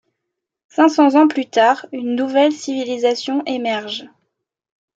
Cinq cents ans plus tard, une nouvelle civilisation émerge.